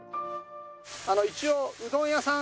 一応うどん屋さん。